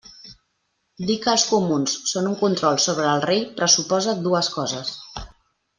Dir que els comuns són un control sobre el rei pressuposa dues coses.